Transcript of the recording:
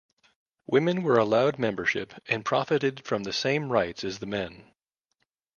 Women were allowed membership and profited from the same rights as the men.